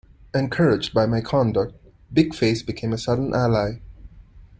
Encouraged by my conduct, Big-Face became a sudden ally.